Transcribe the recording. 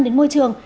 đến môi trường